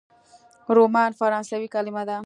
رومان فرانسوي کلمه ده.